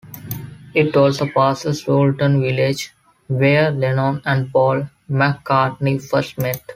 It also passes Woolton Village where Lennon and Paul McCartney first met.